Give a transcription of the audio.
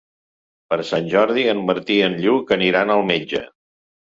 Per Sant Jordi en Martí i en Lluc aniran al metge.